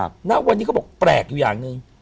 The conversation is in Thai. ครับแล้ววันนี้ก็บอกแปลกอยู่อย่างหนึ่ง